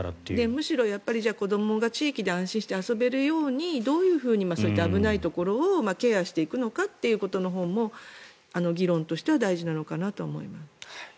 むしろ、子どもが地域で安心して遊べるようにどういうふうにそういった危ないところをケアしていくのかということのほうも議論としては大事なのかなと思います。